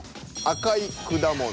赤い果物。